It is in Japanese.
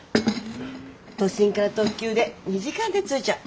都心から特急で２時間で着いちゃう。